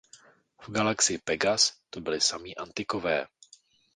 V galaxii Pegas to byli sami Antikové.